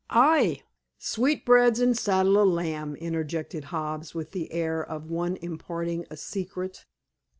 "Ay! Sweetbreads an' saddle o' lamb," interjected Hobbs with the air of one imparting a secret.